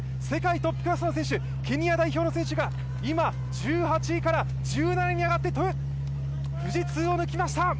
世界トップクラスの選手、ケニア代表の選手が今、１８位から１７位に上がって、富士通を抜きました。